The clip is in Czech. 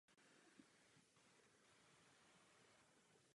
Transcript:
Rozvaliny chrámu jsou zachovány dodnes.